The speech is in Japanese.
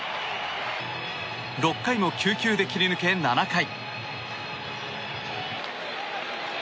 ６回も９球で切り抜け、７回。